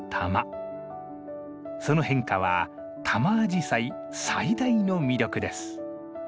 その変化はタマアジサイ最大の魅力です。